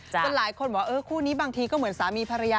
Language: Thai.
เกิดหลายคนบอกว่า